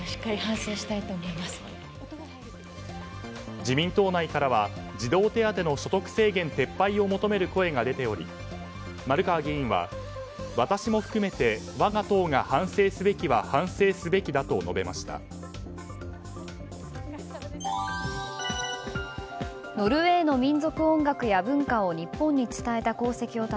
自民党内からは児童手当所得制限撤廃を求める声が出ており丸川議員は、私も含めて我が党が反省すべきは反省すべきだと述べました。